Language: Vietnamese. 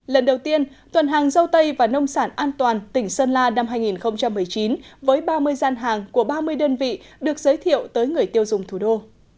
lần đầu tiên tuần hàng dâu tây và nông sản an toàn tỉnh sơn la năm hai nghìn một mươi chín với ba mươi gian hàng của ba mươi đơn vị được giới thiệu tới người tiêu dùng thủ đô